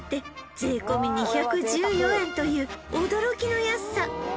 税込み２１４円という驚きの安さ